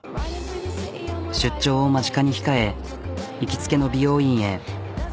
出張を間近に控え行きつけの美容院へ。